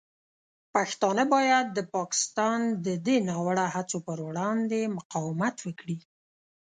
پښتانه باید د پاکستان د دې ناوړه هڅو پر وړاندې مقاومت وکړي.